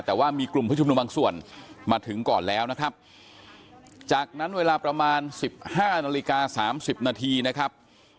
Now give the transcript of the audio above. แต่ว่ามีกลุ่มผู้ชุมนุมบางส่วนมาถึงก่อนแล้วนะครับจากนั้นเวลาประมาณ๑๕นาฬิกา๓๐นาทีนะครับ